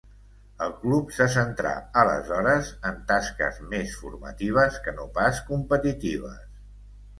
El club se centrà, aleshores, en tasques més formatives, que no pas competitives.